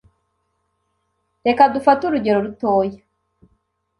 Reka dufate urugero rutoya